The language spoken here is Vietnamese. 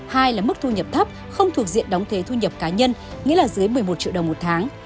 hai là mức thu nhập thấp không thuộc diện đóng thuế thu nhập cá nhân nghĩa là dưới một mươi một triệu đồng một tháng